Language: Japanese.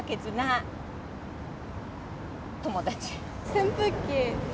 扇風機！